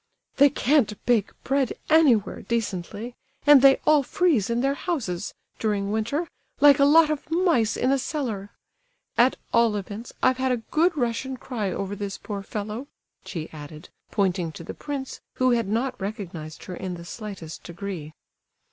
"They can't bake bread anywhere, decently; and they all freeze in their houses, during winter, like a lot of mice in a cellar. At all events, I've had a good Russian cry over this poor fellow," she added, pointing to the prince, who had not recognized her in the slightest degree.